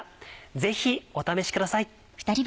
ぜひお試しください。